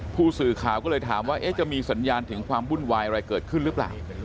ผู้สื่อข่าวก็เลยถามว่าจะมีสัญญาณถึงความวุ่นวายอะไรเกิดขึ้นหรือเปล่า